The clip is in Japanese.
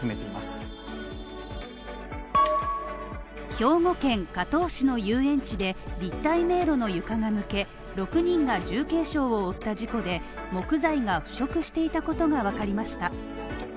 兵庫県加東市の遊園地で、立体迷路の床が抜け、６人が重軽傷を負った事故で、木材が腐食していたことがわかりました。